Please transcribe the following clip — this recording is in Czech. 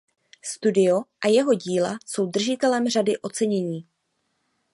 Studio a jeho díla jsou držitelem řady ocenění.